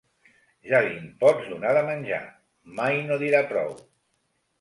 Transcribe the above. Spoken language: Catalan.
Ja li'n pots donar, de menjar: mai no dirà prou.